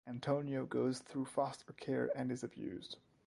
Antonio goes through foster care and is abused.